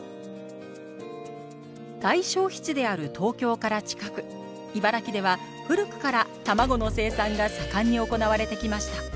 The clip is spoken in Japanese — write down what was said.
大消費地である東京から近く茨城では古くから卵の生産が盛んに行われてきました